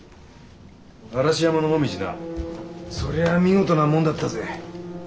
嵐山の紅葉なそりゃ見事なもんだったぜ。